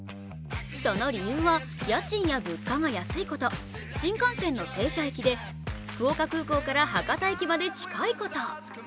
その理由は、家賃や物価が安いこと、新幹線の停車駅で、福岡空港から博多駅まで近いこと。